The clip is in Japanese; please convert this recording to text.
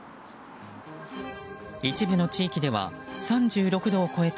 一部の地域では３６度を超えた